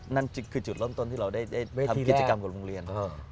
นั่นคือจุดเริ่มต้นที่เราได้ทำกิจกรรมกับโรงเรียน